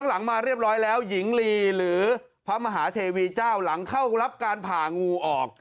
หลังมาเรียบร้อยแล้วหญิงลีหรือพระมหาเทวีเจ้าหลังเข้ารับการผ่างูออก